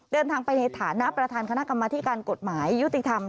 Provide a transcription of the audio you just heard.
เดินทางไปในฐานะประธานคณะกรรมธิการกฎหมายยุติธรรม